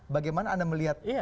bagaimana anda melihat